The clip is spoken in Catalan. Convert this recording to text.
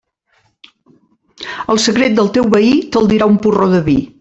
El secret del teu veí te'l dirà un porró de vi.